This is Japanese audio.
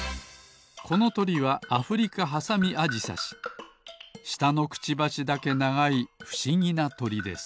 このとりはアフリカハサミアジサシしたのクチバシだけながいふしぎなとりです。